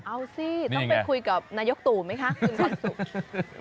เอาสิต้องไปคุยกับนายกตู่ไหมคะคืนความสุข